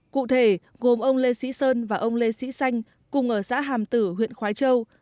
cụ thể gồm ông lê sĩ sơn và ông lê sĩ xanh cùng ở xã hàm tử huyện khói châu